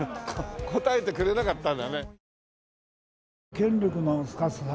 答えてくれなかったんだね。